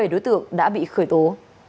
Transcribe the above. bảy đối tượng đã bị khởi tố